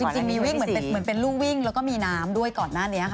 จริงมีวิ่งเหมือนเป็นรูวิ่งแล้วก็มีน้ำด้วยก่อนหน้านี้ค่ะ